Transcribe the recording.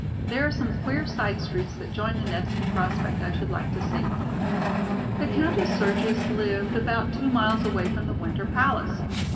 There are some queer side streets that join the Nevski Prospect I should like to see." The Countess Sergius lived about two miles away from the Winter Palace.